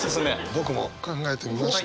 僕も考えてみました。